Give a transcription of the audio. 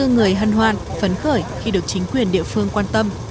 một trăm linh bốn người hân hoan phấn khởi khi được chính quyền địa phương quan tâm